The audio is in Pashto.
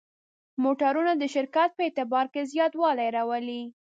موټرونه د شرکت په اعتبار کې زیاتوالی راولي.